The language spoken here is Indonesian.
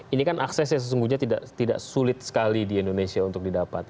ini kan akses yang sesungguhnya tidak sulit sekali di indonesia untuk didapat